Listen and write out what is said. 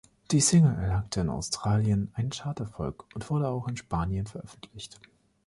Die Single erlangte in Australien einen Chart-Erfolg und wurde auch in Spanien veröffentlicht.